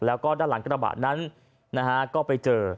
แล้วก็ด้านหลังกระบะนั้นนะฮะก็ไปเจอ